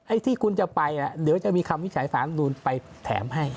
ไอ้ที่คุณจะไปเดี๋ยวจะมีคำวิชายศาลนวลไปแถมให้